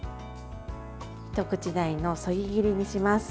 一口大のそぎ切りにします。